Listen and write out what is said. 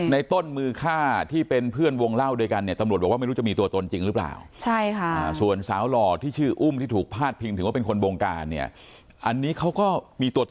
ต้นมือฆ่าที่เป็นเพื่อนวงเล่าด้วยกันเนี่ยตำรวจบอกว่าไม่รู้จะมีตัวตนจริงหรือเปล่า